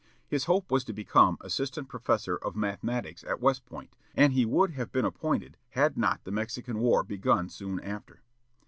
His hope was to become assistant professor of mathematics at West Point, and he would have been appointed had not the Mexican War begun soon after.